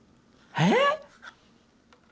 えっ！？